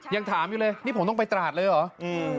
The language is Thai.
ยังถามอยู่เลยนี่ผมต้องไปตราดเลยเหรอ